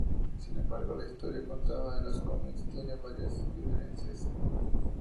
Sin embargo, la historia contada en los cómics tiene varias diferencias.